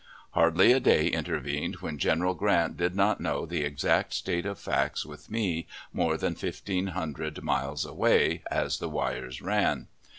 Hardly a day intervened when General Grant did not know the exact state of facts with me, more than fifteen hundred miles away as the wires ran.